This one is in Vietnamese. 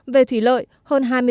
về thủy lợi hơn hai mươi bảy